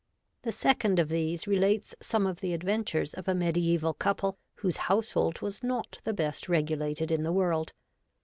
The second of these relates some of the adventures of a mediaeval couple, whose household was not the 114 REVOLTED WOMAN. best regulated in the world.